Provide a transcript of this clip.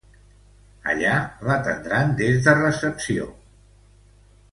Allà l'atendran des de recepció.